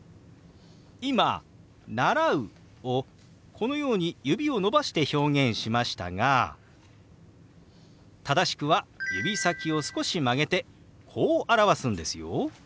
今「習う」をこのように指を伸ばして表現しましたが正しくは指先を少し曲げてこう表すんですよ。